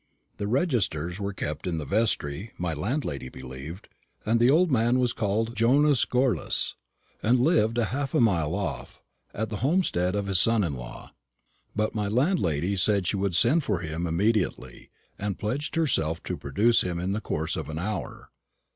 The registers were kept in the vestry, my landlady believed, and the old man was called Jonas Gorles, and lived half a mile off, at the homestead of his son in law. But my landlady said she would send for him immediately, and pledged herself to produce him in the course of an hour.